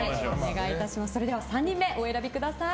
それでは３人目お選びください。